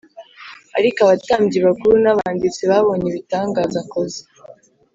Ariko abatambyi bakuru n’abanditsi babonye ibitangaza akoze